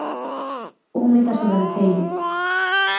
Un meta sobranceiro.